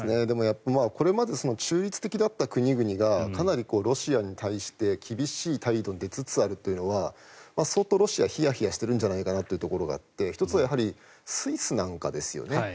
でもこれまで中立的だった国々がかなりロシアに対して厳しい態度に出つつあるというのは相当ロシアヒヤヒヤしているんじゃないかというところがあって１つはスイスなんかですよね。